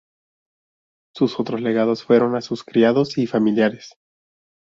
Sus otros legados fueron a sus criados y familiares.